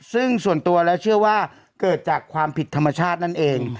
ซึ่งส่วนตัวแล้วเชื่อว่าเกิดจากความผิดธรรมชาตินั่นเอง